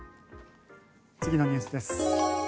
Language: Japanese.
次のニュースです。